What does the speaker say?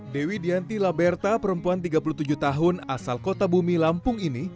dewi dianti laberta perempuan tiga puluh tujuh tahun asal kota bumi lampung ini